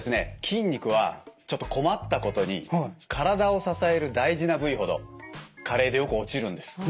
筋肉はちょっと困ったことに体を支える大事な部位ほど加齢でよく落ちるんです。